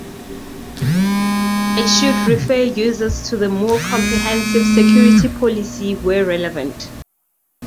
It should refer users to the more comprehensive security policy where relevant.